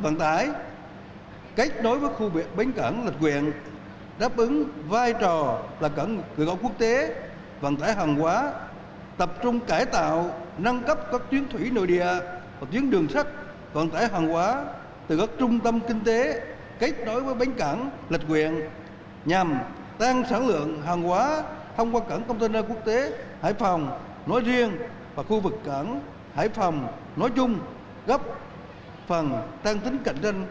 vận tài kết nối với khu bến cảng lịch quyền đáp ứng vai trò là cảng cư cầu quốc tế vận tài hàng hóa tập trung cải tạo nâng cấp các chuyến thủy nội địa và chuyến đường sắt vận tài hàng hóa từ các trung tâm kinh tế kết nối với bến cảng lịch quyền nhằm tăng sản lượng hàng hóa thông qua cảng container quốc tế hải phòng nói riêng và khu vực cảng hải phòng nói chung gấp phần tăng tính